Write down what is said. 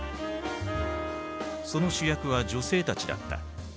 その主役は女性たちだった。